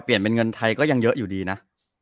เปลี่ยนเป็นเงินไทยก็ยังเยอะอยู่ดีนะ